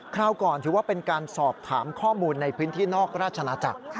คราวก่อนถือว่าเป็นการสอบถามข้อมูลในพื้นที่นอกราชนาจักร